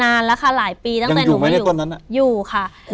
นานแล้วค่ะหลายปีตั้งแต่หนูไม่อยู่ยังอยู่ไหมในต้นนั้น